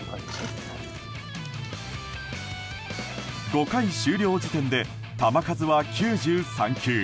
５回終了時点で球数は９３球。